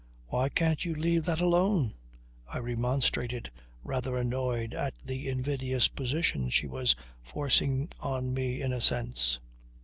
"Why can't you leave that alone?" I remonstrated, rather annoyed at the invidious position she was forcing on me in a sense.